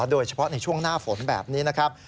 โดยเฉพาะในช่วงหน้าฝนแบบนี้นะครับ